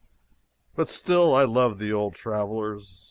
But still I love the Old Travelers.